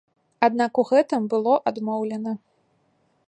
Аднак у гэтым было адмоўлена.